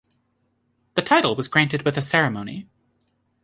The title was granted with a ceremony.